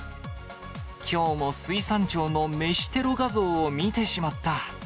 きょうも水産庁の飯テロ画像を見てしまった。